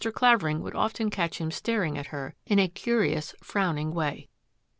Clavering would often catch him staring at her in a curious, frowning way.